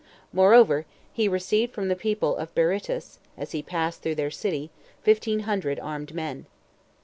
Moreover, he received from the people of Berytus, as he passed through their city, fifteen hundred armed men.